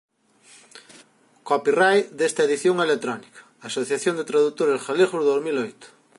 © desta edición electrónica, Asociación de Tradutores Galegos, dous mil oito